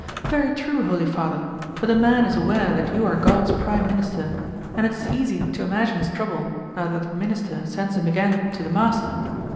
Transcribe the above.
"Very true, Holy Father; but the man is aware that you are God's prime minister, and it is easy to imagine his trouble now that the minister sends him again to the master.